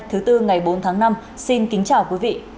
thứ tư ngày bốn tháng năm xin kính chào quý vị